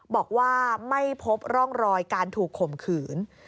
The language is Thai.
บอกว่าไม่พบร่องรอยการถูกข่มขืน